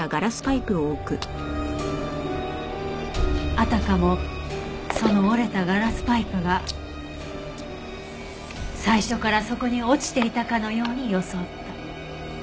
あたかもその折れたガラスパイプが最初からそこに落ちていたかのように装った。